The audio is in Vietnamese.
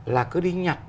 là cứ đi nhặt đồ